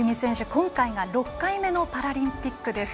今回が６回目のパラリンピックです。